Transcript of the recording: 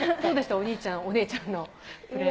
お兄ちゃん、お姉ちゃんのプレー。